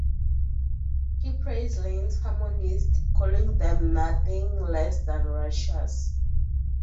He praised Lynne's harmonies, calling them nothing less than righteous.